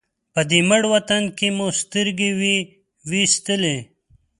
په دې مړ وطن کې مو سترګې وې وېستلې.